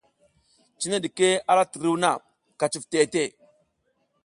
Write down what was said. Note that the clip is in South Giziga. Cine ɗike a ra tiruw na, ka cuf teʼe teʼe.